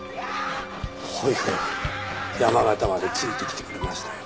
ホイホイ山形までついてきてくれましたよ。